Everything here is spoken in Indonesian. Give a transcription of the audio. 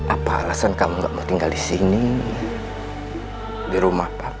apa alasan kamu gak mau tinggal di sini di rumah